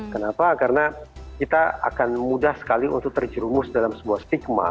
kenapa karena kita akan mudah sekali untuk terjerumus dalam sebuah stigma